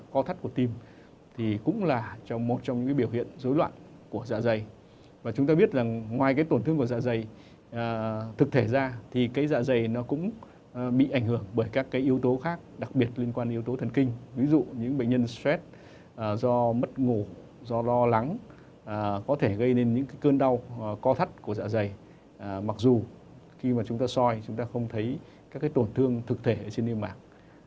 co thắt của tim thì cũng là trong một trong những biểu hiện dối loạn của dạ dày và chúng ta biết là ngoài tổn thương của dạ dày thực thể ra thì dạ dày nó cũng bị ảnh hưởng bởi các yếu tố khác đặc biệt liên quan đến yếu tố thần kinh ví dụ những bệnh nhân stress do mất ngủ do lo lắng có thể gây nên những cơn đau co thắt của dạ dày mặc dù khi mà chúng ta soi chúng ta không thấy các tổn thương thực thể trên niềm mạng